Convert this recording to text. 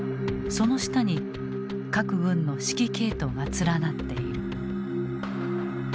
その下に各軍の指揮系統が連なっている。